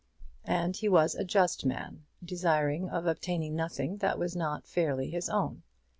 And he was a just man, desirous of obtaining nothing that was not fairly his own.